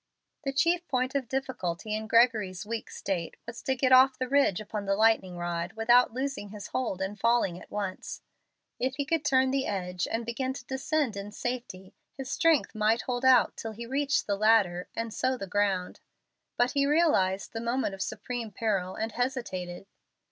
The chief point of difficulty in Gregory's weak state was to get off the ridge upon the lightning rod without losing his hold and falling at once. If he could turn the edge and begin to descend in safety, his strength might hold out till he reached the ladder and so the ground. But he realized the moment of supreme peril, and hesitated.